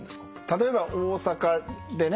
例えば大阪でね